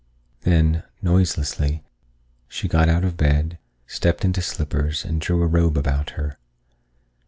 Then, noiselessly, she got out of bed, stepped into slippers, and drew a robe about her.